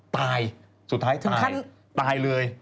ตายสุดท้ายตายตายเลย